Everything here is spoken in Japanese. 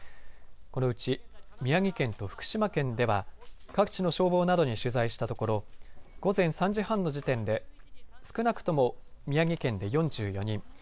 このうち宮城県と福島県では各地の消防などに取材したところ午前３時半の時点で少なくとも宮城県で４４人